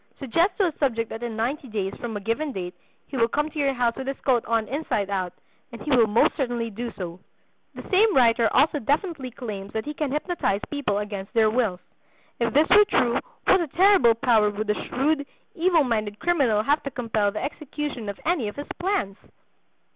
Suggest to a subject that in ninety days from a given date he will come to your house with his coat on inside out, and he will most certainly do so." The same writer also definitely claims that he can hypnotize people against their wills. If this were true, what a terrible power would a shrewd, evil minded criminal have to compel the execution of any of his plans!